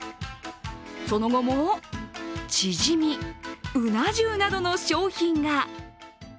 その後も、チヂミ、うな重などの商品が。